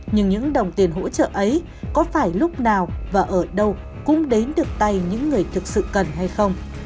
nhưng những đồng tiền hỗ trợ ấy có phải lúc nào và ở đâu cũng đến được tay những người thực sự cần hay không